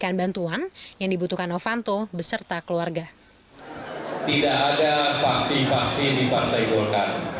pada tahun ke depan menyelesaikan agenda agenda politik